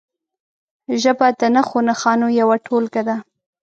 ژبه د نښو نښانو یوه ټولګه ده.